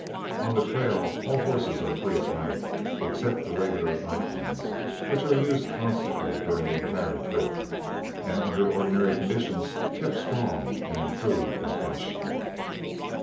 On the trail all horses are free at night, except the regular night ones, which are used constantly during the entire trip, and under ordinary conditions keep strong and improve in flesh.